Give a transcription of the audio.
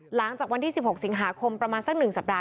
หลังจากวันที่๑๖สิงหาคมประมาณสัก๑สัปดาห